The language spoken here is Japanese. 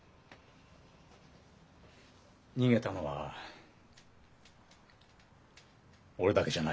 逃げたのは俺だけじゃないぞ。